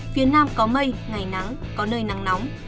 phía nam có mây ngày nắng có nơi nắng nóng